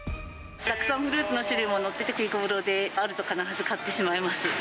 たくさんフルーツの種類も載っていて手ごろで、あると必ず買ってしまいます。